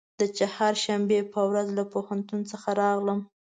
د چهارشنبې په ورځ له پوهنتون څخه راغلم.